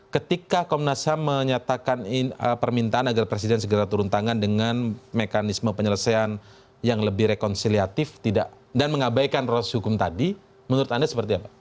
ketika komnas ham menyatakan permintaan agar presiden segera turun tangan dengan mekanisme penyelesaian yang lebih rekonsiliatif dan mengabaikan proses hukum tadi menurut anda seperti apa